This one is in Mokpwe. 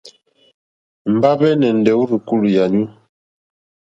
Mbahve nà èndè o rzùkulù yànyu.